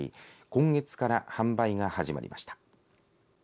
今月から販売が始まりました。